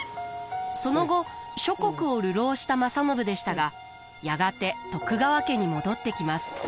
その後諸国を流浪した正信でしたがやがて徳川家に戻ってきます。